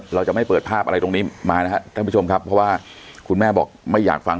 เราจะไม่เปิดภาพอะไรตรงนี้มานะครับท่านผู้ชมครับเพราะว่าคุณแม่บอกไม่อยากฟัง